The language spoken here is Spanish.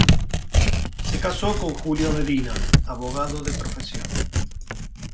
Se casó con Julio Medina, abogado de profesión.